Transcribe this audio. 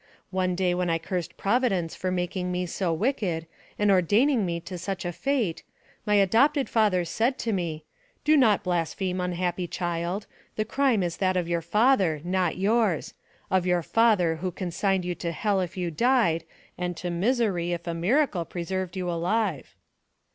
One day when I cursed Providence for making me so wicked, and ordaining me to such a fate, my adopted father said to me, 'Do not blaspheme, unhappy child, the crime is that of your father, not yours,—of your father, who consigned you to hell if you died, and to misery if a miracle preserved you alive.